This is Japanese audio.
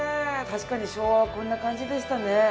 確かに昭和はこんな感じでしたね。